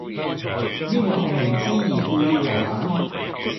抑或係明知而故意留難?